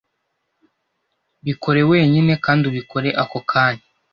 Bikore wenyine kandi ubikore ako kanya.